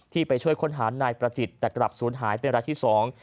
ไปช่วยค้นหานายประจิตแต่กลับศูนย์หายเป็นรายที่สอง